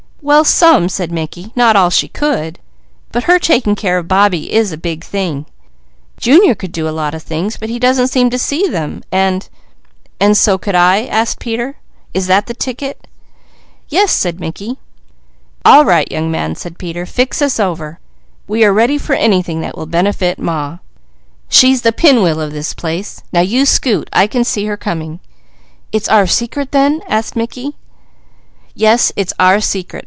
"Well some," said Mickey. "Not all she could! But her taking care of Bobbie is a big thing. Junior could do a lot of things, but he doesn't seem to see them, and " "And so could I?" asked Peter. "Is that the ticket?" "Yes," said Mickey. "All right young man," said Peter. "Fix us over! We are ready for anything that will benefit Ma. She's the pinwheel of this place. Now you scoot! I can see her coming." "It's our secret then?" asked Mickey. "Yes, it's our secret!"